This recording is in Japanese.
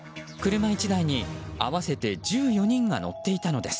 車１台に合わせて１４人が乗っていたのです。